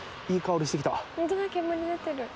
いい香りしてきた。